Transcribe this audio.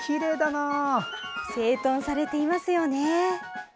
整頓されていますよね。